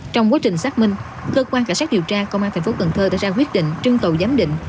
trong quá trình xác minh cơ quan cả sát điều tra công an thành phố cần thơ đã ra quyết định trưng cầu giám định